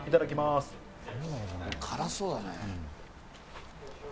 辛そうだね。